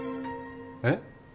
えっ？